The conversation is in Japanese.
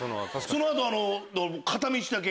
その後片道だけ。